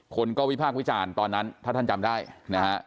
คนก็วิพากษ์วิจารณ์ตอนนั้นถ้าท่านจำได้นะฮะ